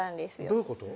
どういうこと？